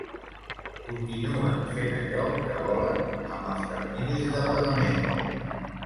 Continuen fent allò que volen amb els terminis de pagament.